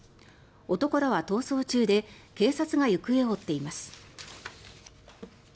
男らは逃走中で警察が行方を追っています。